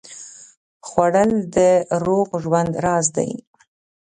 خوړل د روغ ژوند راز دی